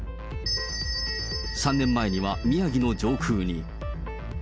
３年前には宮城の上空に。